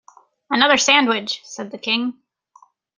‘Another sandwich!’ said the King.